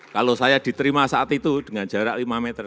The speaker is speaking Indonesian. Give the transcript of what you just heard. kalau saya diterima saat itu dengan jarak lima meter